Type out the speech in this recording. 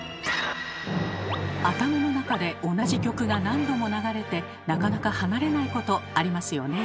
頭の中で同じ曲が何度も流れてなかなか離れないことありますよね。